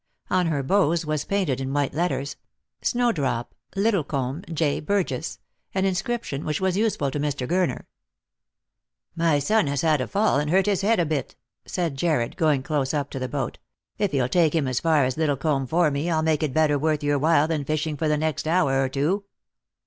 On her bows was painted, in white letters, " Snowdrop, Liddle comb, J. Burgess," an inscription which was useful to Mr. Gurner. " My son has had a fall, and hurt his head a bit," said Jarred, going close up to the boat ;" if you'll take him as far as Lid dlecomb for me, I'll make it better worth your while than fish ing for the next hour or two."